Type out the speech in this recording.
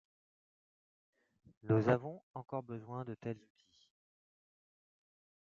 Nous avons encore besoin de tels outils.